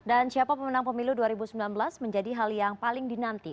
dan siapa pemenang pemilu dua ribu sembilan belas menjadi hal yang paling dinanti